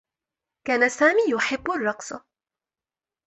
كان سامي يحبّ الرّقص.